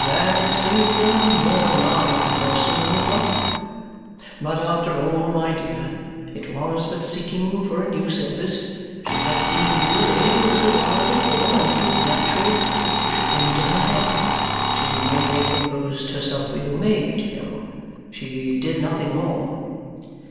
"That is a more alarming person than the clerk. But after all, my dear, it was but seeking for a new service. She had seen you and Ada a little while before, and it was natural that you should come into her head. She merely proposed herself for your maid, you know. She did nothing more."